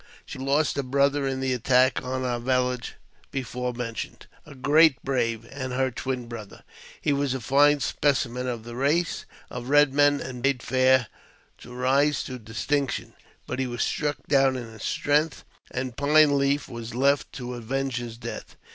She had lost a brother in the attack on our villagie^ before mentioned — a great brave, and her twin brother, ^m was a fine specimen of the race of red men, and bade fair td ■ rise to distinction ; but he was struck down in his strength, and Pine Leaf was left to avenge his death.